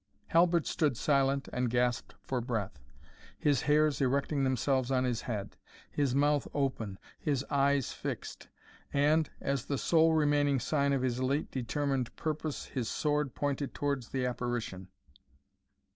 Halbert stood silent and gasped for breath, his hairs erecting themselves on his head his mouth open his eyes fixed, and, as the sole remaining sign of his late determined purpose, his sword pointed towards the apparition.